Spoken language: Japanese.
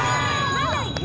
まだいく？